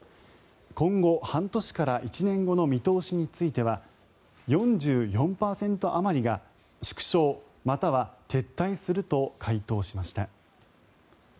今後、半年から１年後の見通しについては４４％あまりが縮小または撤退すると回答しました。